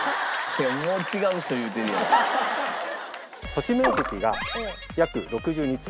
土地面積が約６２坪。